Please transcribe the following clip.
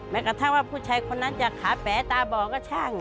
กระทั่งว่าผู้ชายคนนั้นจะขาแป๋ตาบ่อก็ช่าง